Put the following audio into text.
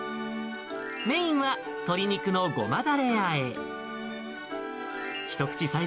メインは鶏肉のごまだれあえ。